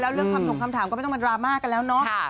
เรื่องคำถงคำถามก็ไม่ต้องเป็นดราม่ากันแล้วเนาะ